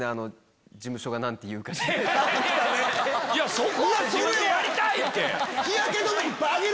そこは自分でやりたい！って。